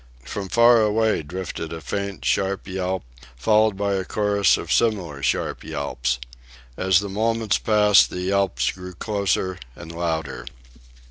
From far away drifted a faint, sharp yelp, followed by a chorus of similar sharp yelps. As the moments passed the yelps grew closer and louder.